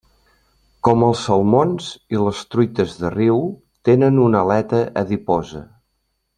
Com els salmons i les truites de riu tenen una aleta adiposa.